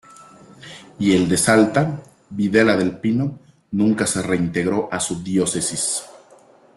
Y el de Salta, Videla del Pino, nunca se reintegró a su diócesis.